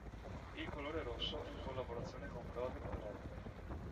Il colore rosso è in collaborazione con Product Red.